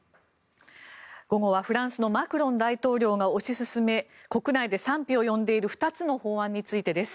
午後はフランスのマクロン大統領が推し進め国内で賛否を呼んでいる２つの法案についてです。